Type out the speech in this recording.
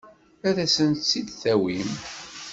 Ad asent-t-id-tawim?